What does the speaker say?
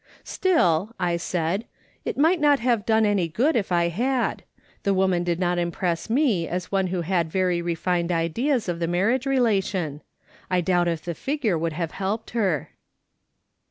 " Still," I said, " it might not have done any good if I had ; the woman did not impress me as one who had very refined ideas of the aarriage relation. I duubt if the figure would have helped her."